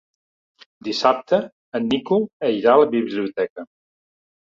Dissabte en Nico irà a la biblioteca.